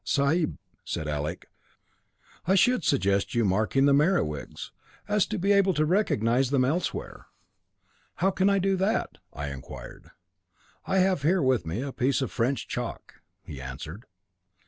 'Sahib,' said Alec 'I should suggest your marking the Merewigs, so as to be able to recognise them elsewhere.' 'How can I do that?' I inquired. 'I have here with me a piece of French chalk,' he answered.